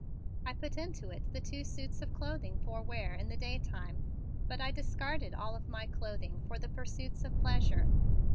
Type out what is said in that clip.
I put into it the two suits of clothing for wear in the daytime, but I discarded all of my clothing for the pursuits of pleasure.